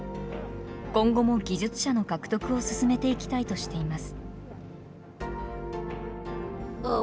今後も技術者の獲得を進めていきたいとしています。